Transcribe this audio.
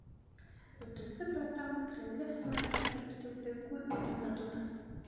Дүртенсе программа түләүле хеҙмәттәр күрһәтеүҙе күҙ уңында тота.